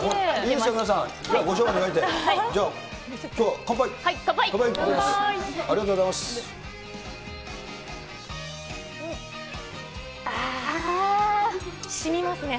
しみますね。